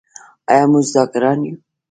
آیا موږ ذاکران یو؟